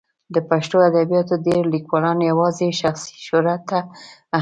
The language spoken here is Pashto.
د پښتو ادبیاتو ډېری لیکوالان یوازې شخصي شهرت ته اهمیت ورکوي.